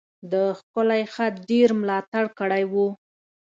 د ښکلی خط ډیر ملاتړ کړی و.